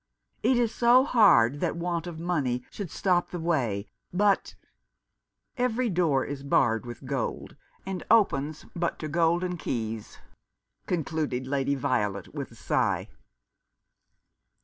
It is so hard that want of money should stop the way — but —" Every door is barred with gold, and opens but to golden keys," concluded Lady Violet, with a sigh.